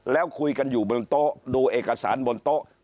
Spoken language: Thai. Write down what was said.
แล้วคุยกันอยู่บนโต๊ะดูเอกสารบนโต๊ะ